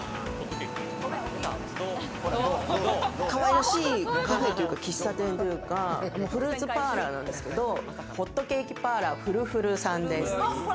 かわいらしいカフェというか、喫茶店というかフルーツパーラーなんですけど、ホットケーキパーラーＦｒｕ−Ｆｕｌｌさんです。